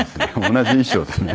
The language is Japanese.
同じ衣装でね。